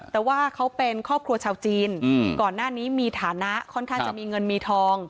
แต่ว่าเขาเป็นครอบครัวชาวจีนก่อนหน้านี้มีฐานะค่อนข้างจะมีเงินมีทอง